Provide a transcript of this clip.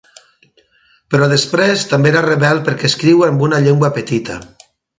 Però després també era rebel perquè escriu amb una llengua petita.